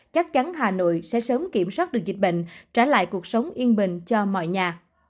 chắc chắn hà nội sẽ sớm kiểm soát được dịch bệnh trả lại cuộc sống yên bình cho mọi nhà